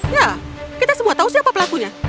ya kita semua tahu siapa pelakunya